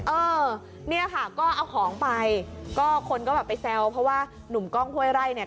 เออเนี่ยค่ะก็เอาของไปก็คนก็แบบไปแซวเพราะว่าหนุ่มกล้องห้วยไร่เนี่ย